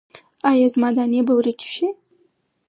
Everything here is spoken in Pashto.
ایا زما دانې به ورکې شي؟